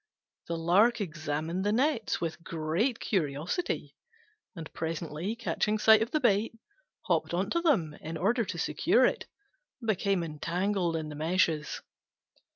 The Lark examined the nets with great curiosity, and presently, catching sight of the bait, hopped on to them in order to secure it, and became entangled in the meshes.